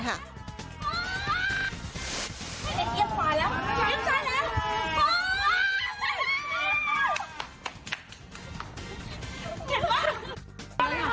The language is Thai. เก็บขวาแล้วเก็บขวาแล้ว